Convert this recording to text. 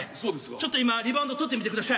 ちょっと今リバウンド取ってみてくだしゃい。